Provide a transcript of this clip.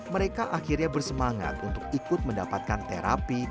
mereka akhirnya bersemangat untuk ikut mendapatkan terapi